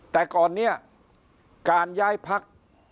แต่ก่อนนี้การย้ายพัก